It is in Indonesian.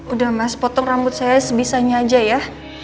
udah mas potong rambut saya sebisanya aja ya